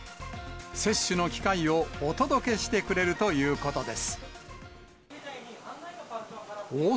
接種の機会をお届けしてくれるということです。